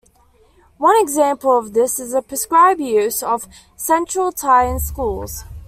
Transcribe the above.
One example of this is the prescribed use of Central Thai in schools.